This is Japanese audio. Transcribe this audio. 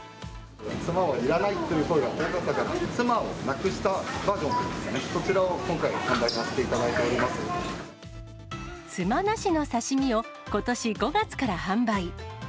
つまはいらないという声が多かったから、つまをなくしたバージョンをですね、こちらを今回、販売させていつまなしの刺身を、ことし５月から販売。